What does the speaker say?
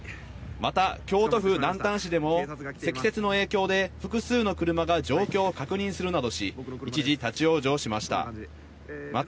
また京都府南丹市でも積雪の影響で複数の車が状況を確認するなどし、一時、立往生しました。